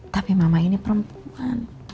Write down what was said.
tapi mama ini perempuan